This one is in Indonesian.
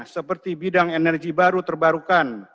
seperti bidang energi baru terbarukan